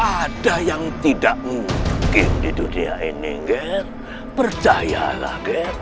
ada yang tidak mungkin di dunia ini ngere percayalah